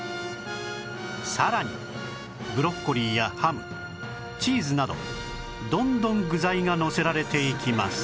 さらにブロッコリーやハムチーズなどどんどん具材がのせられていきます